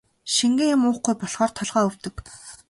Шингэн юм уухгүй болохоор толгой өвдөг.